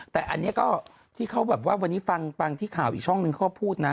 แต่อันนี้ก็ที่เขาแบบว่าวันนี้ฟังที่ข่าวอีกช่องนึงเขาพูดนะ